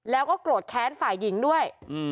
แล้วก็โกรธแค้นฝ่ายหญิงด้วย